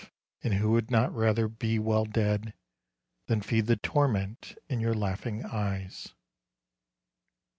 and who would not rather be well dead Than feed the torment in your laughing eyes